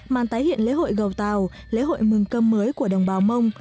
màn tái hiện lễ hội gầu tàu lễ hội mừng cơm mới của đồng bào mông